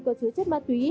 có chứa chất ma túy